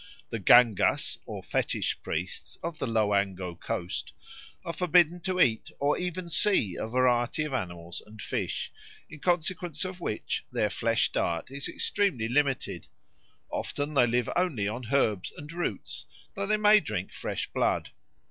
The Gangas or fetish priests of the Loango Coast are forbidden to eat or even see a variety of animals and fish, in consequence of which their flesh diet is extremely limited; often they live only on herbs and roots, though they may drink fresh blood.